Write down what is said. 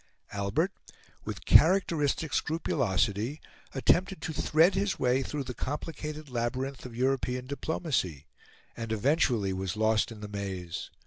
Albert, with characteristic scrupulosity, attempted to thread his way through the complicated labyrinth of European diplomacy, and eventually was lost in the maze.